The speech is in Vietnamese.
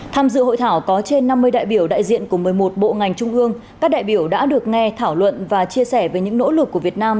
tham dự hội thảo có trên năm mươi đại biểu đại diện của một mươi một bộ ngành trung ương các đại biểu đã được nghe thảo luận và chia sẻ về những nỗ lực của việt nam